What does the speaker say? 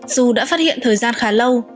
dù đã phát hiện thời gian khá lâu